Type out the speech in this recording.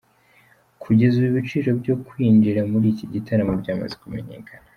Kugeza ubu ibiciro byo kwinjira muri iki gitaramo byamaze kumenyekana.